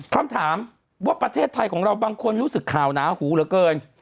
คำถามว่าประเทศไทยของเราบางคนรู้สึกข่าวหนาหูเหลือเกิน